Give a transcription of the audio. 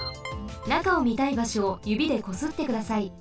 なかをみたいばしょをゆびでこすってください。